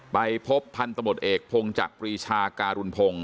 ไปพบพันธุ์ตำรวจเอกพงจักรีชาการุณพงศ์